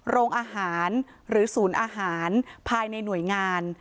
โรงอาหารหรือศูนย์อาหารภายในหน่วยงาน